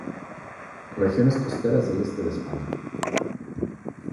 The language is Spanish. Regiones costeras del E de España.